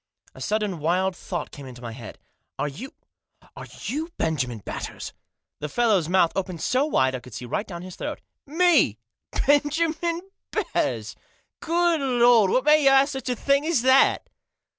A sudden wild thought came into my head. " Are you — are you Benjamin Batters ?" The fellow's mouth opened so wide I could see right down his throat. " Me Benjamin Batters ! Good Lord ! What made you ask me such a thing as that